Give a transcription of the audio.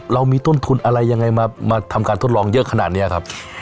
เรามีต้นทุนอะไรยังไงมาทำการทดลองเยอะขนาดนี้ครับ